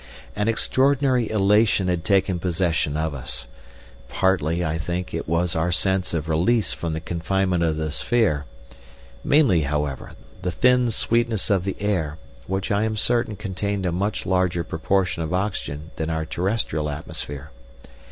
An extraordinary elation had taken possession of us. Partly, I think, it was our sense of release from the confinement of the sphere. Mainly, however, the thin sweetness of the air, which I am certain contained a much larger proportion of oxygen than our terrestrial atmosphere.